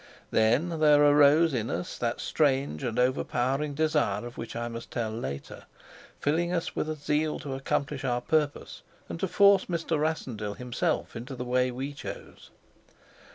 Then there arose in us that strange and overpowering desire of which I must tell later, filling us with a zeal to accomplish our purpose, and to force Mr. Rassendyll himself into the way we chose.